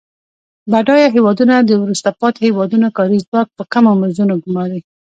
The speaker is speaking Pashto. بډایه هیوادونه د وروسته پاتې هېوادونو کاري ځواک په کمو مزدونو ګوماري.